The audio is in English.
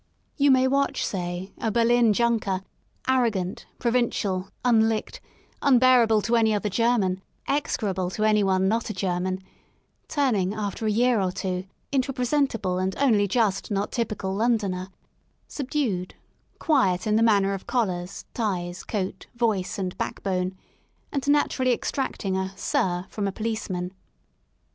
You may watch, say, a Berlin 12 FROM A DISTANCE Junker» arrogant, provincial, unlickedf unbearable to any other German, execrable to anyone not a German, turning after a year or two into a presentable and only just not typical Londoner ; subdued, quiet in the matters of collars, ties, coat, voice and backbone, and naturally extracting a sir" from a policeman.